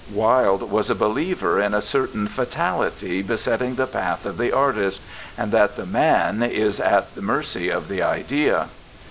Wilde was a believer in a certain fatality besetting the path of the artist, and that the Man is at the mercy of the Idea.